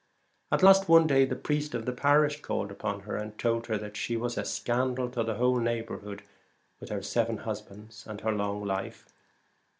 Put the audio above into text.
At last one day the priest of the parish called upon her, and told her that she was a scandal to the whole neighbourhood with her seven husbands and her long life.